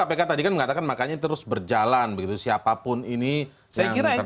nah itu kpk tadi kan mengatakan makanya terus berjalan siapapun ini yang terlibat